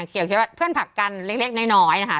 เกี่ยวว่าเพื่อนผักกันเล็กน้อยนะครับ